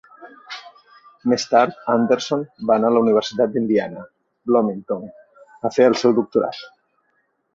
Més tard, Andersson va anar a la Universitat d'Indiana, Bloomington, a fer el seu doctorat.